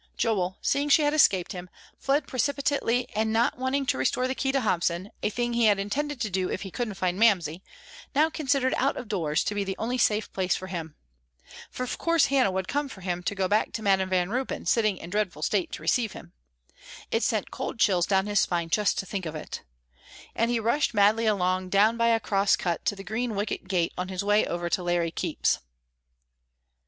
Joel, seeing she had escaped him, fled precipitately and, not waiting to restore the key to Hobson, a thing he had intended to do if he couldn't find Mamsie, now considered out of doors to be the only safe place for him. For of course Hannah would come for him to go back to Madam Van Ruypen sitting in dreadful state to receive him. It sent cold chills down his spine just to think of it! And he rushed madly along down by a cross cut to the green wicket gate on his way over to Larry Keep's.